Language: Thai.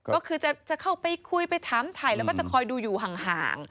ก็คือจะเข้าไปคุยไปถามถ่ายแล้วก็จะคอยดูอยู่ห่าง